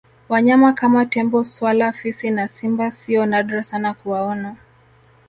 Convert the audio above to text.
Wanyama kama Tembo swala fisi na Simba sio nadra sana kuwaona